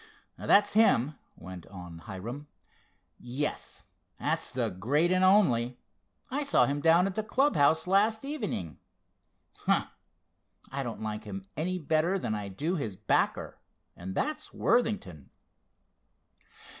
"That's him," went on Hiram. "Yes, that's 'the great and only.' I saw him down at the clubhouse last evening. Humph! I don't like him any better than I do his backer, and that's Worthington."